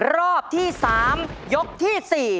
รอบที่๓ยกที่๔